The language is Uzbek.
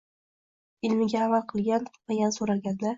ilmiga amal qilgan-qilmagani so'ralganda